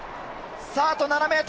あと７ｍ！